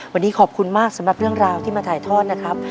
วันนี้ขอบคุณมากสำหรับเรื่องราวที่มาถ่ายทอดนะครับ